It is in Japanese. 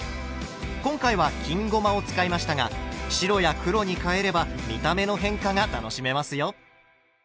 今回は金ごまを使いましたが白や黒に変えれば見た目の変化が楽しめますよ。